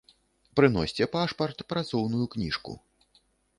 Прыносьце пашпарт, працоўную кніжку.